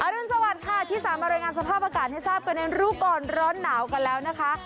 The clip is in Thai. อรุณสวัสดีค่ะที่๓บริการสภาพอากาศให้ทราบก่อนเรียนรู้ก่อนร้อนหนาวก่อนแล้วนะคะ